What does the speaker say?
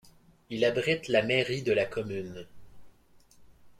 Il abrite la mairie de la commune.